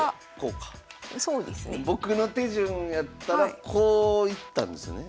僕の手順やったらこういったんですよね。